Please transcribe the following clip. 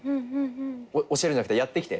教えるんじゃなくて「やってきて」